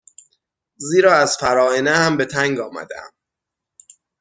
زیرا از فراعنه هم به تنگ آمده ا م